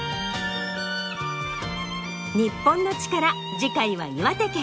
『日本のチカラ』次回は岩手県。